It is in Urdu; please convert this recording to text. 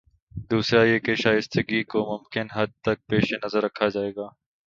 دوسرا یہ کہ شائستگی کو ممکن حد تک پیش نظر رکھا جائے گا۔